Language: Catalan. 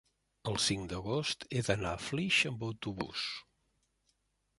el cinc d'agost he d'anar a Flix amb autobús.